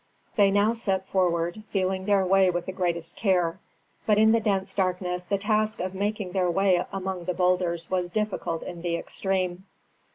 They now set forward, feeling their way with the greatest care; but in the dense darkness the task of making their way among the boulders was difficult in the extreme.